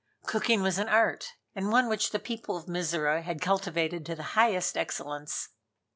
Cooking was an art, and one which the people of Mizora had cultivated to the highest excellence.